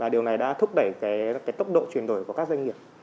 điều này đã thúc đẩy tốc độ chuyển đổi của các doanh nghiệp